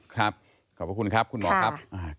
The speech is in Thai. ครับขอบคุณครับคุณหมอครับ